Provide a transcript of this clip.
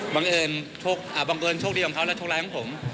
บังเกินครับบังเกินชุกดีของเขาและชุกร้ายของผม